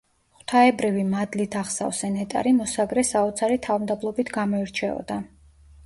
ღვთაებრივი მადლით აღსავსე ნეტარი მოსაგრე საოცარი თავმდაბლობით გამოირჩეოდა.